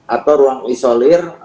atau ruang isolir